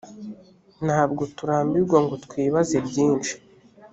ntabwo turambirwa ngo twibaze byinshi